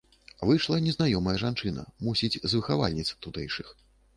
Выйшла незнаёмая жанчына, мусіць, з выхавальніц тутэйшых.